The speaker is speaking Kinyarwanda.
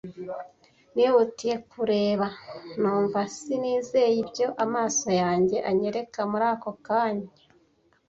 Nihutiye kureba, numva sinizeye ibyo amaso yanjye anyereka muri ako kanya.